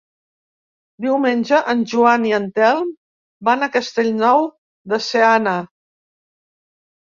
Diumenge en Joan i en Telm van a Castellnou de Seana.